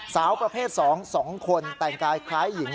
สาวประเภท๒๒คนแต่งกายคล้ายหญิง